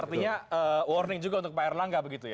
artinya warning juga untuk pak erlangga begitu ya